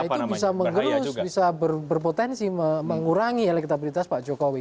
itu bisa mengerus bisa berpotensi mengurangi elektabilitas pak jokowi